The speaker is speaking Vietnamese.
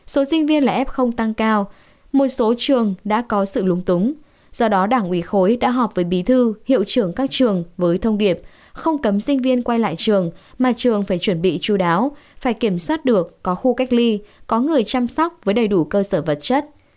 số sinh viên là f tăng cao một số trường đã có sự lúng túng do đó đảng ủy khối đã họp với bí thư hiệu trưởng các trường với thông điệp không cấm sinh viên quay lại trường mà trường phải chuẩn bị chú đáo phải kiểm soát được có khu cách ly có người chăm sóc với đầy đủ cơ sở vật chất